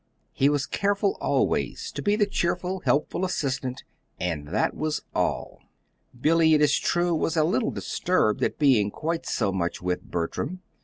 He was careful always to be the cheerful, helpful assistant and that was all. Billy, it is true, was a little disturbed at being quite so much with Bertram.